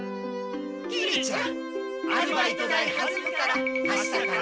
きりちゃんアルバイト代はずむからあしたからもよろしくね。